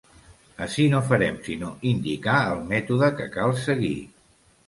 Ací no farem sinó indicar el mètode que cal seguir.